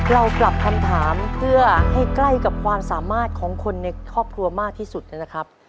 เราปรับคำถามเพื่อให้ใกล้กับความสามารถของคนในครอบครัวมากที่สุดนะครับ